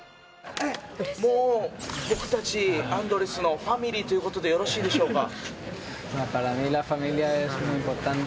もう僕たちアンドレスのファミリーという事でよろしいでしょうか？